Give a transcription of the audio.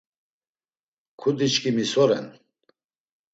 Kudiçkimi so ren?